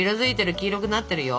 黄色くなってるよ。